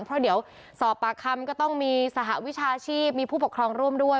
เพราะเดี๋ยวสอบปากคำก็ต้องมีสหวิชาชีพมีผู้ปกครองร่วมด้วย